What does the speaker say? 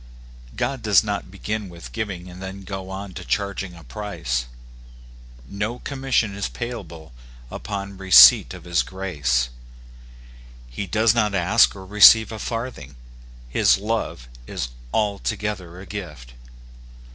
God does not begin with giving, and then go on to charging a price. No commission is payable upon receipt of his grace. He does not ask or receive a farthing ; his love is altogether a gift.